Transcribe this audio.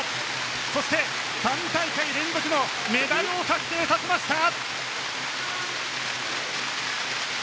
そして、３大会連続のメダルを確定させました。